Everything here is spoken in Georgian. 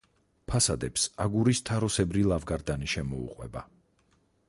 ფასადებს აგურის თაროსებრი ლავგარდანი შემოუყვება.